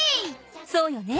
そうよね。